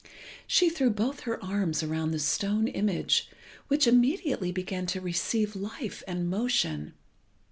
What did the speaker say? She threw both her arms about the stone image, which immediately began to receive life and motion.